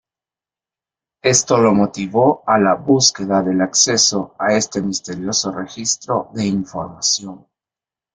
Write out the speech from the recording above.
Esto lo motivó a la búsqueda del acceso a este misterioso registro de información.